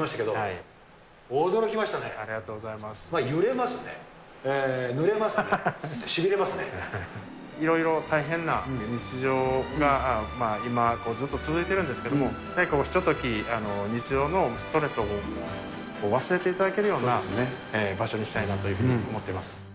揺れますね、ぬれますね、いろいろ大変な日常が今、ずっと続いてるんですけど、ちょっとひととき、日常のストレスを忘れていただけるような場所にしたいなというふうに思ってます。